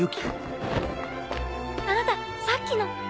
あなたさっきの！